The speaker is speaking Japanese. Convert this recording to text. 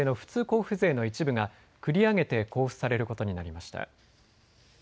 交付税の一部が繰り上げて交付されることになりました。